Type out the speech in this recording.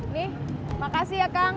nih makasih ya kang